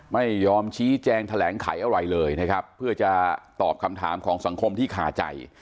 ไม่ยอมชี้แจงแถลงไขอะไรเลยนะครับเพื่อจะตอบคำถามของสังคมที่ขาใจ